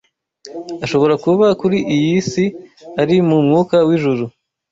Ashobora kuba kuri iyi si ari mu mwuka w’ijuru